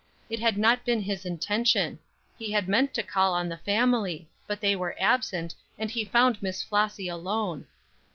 It had not been his intention; he had meant to call on the family; but they were absent, and he found Miss Flossy alone.